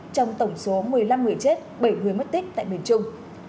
trong tổng số một mươi năm người chết bảy người mất tích tại miền trung